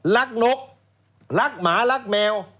นกรักหมารักแมว